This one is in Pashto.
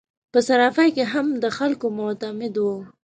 په صرافي کې هم د خلکو معتمد وو.